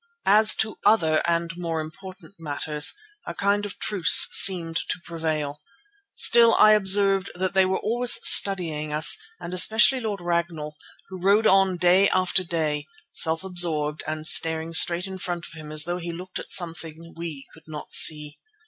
As to other and more important matters a kind of truce seemed to prevail. Still, I observed that they were always studying us, and especially Lord Ragnall, who rode on day after day, self absorbed and staring straight in front of him as though he looked at something we could not see.